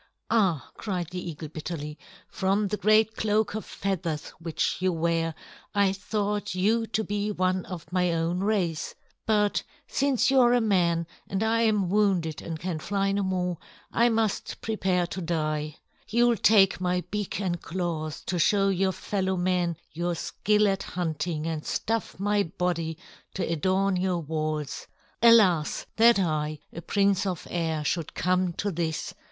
"Ah!" cried the eagle bitterly, "from the great cloak of feathers which you wear, I thought you to be one of my own race. But since you are a man and I am wounded and can fly no more, I must prepare to die. You'll take my beak and claws to show your fellow men your skill at hunting and stuff my body to adorn your walls. Alas! That I, a prince of air, should come to this!"